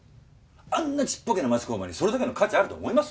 あんなちっぽけな町工場にそれだけの価値あると思います？